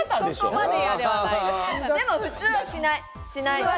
でも普通はしない。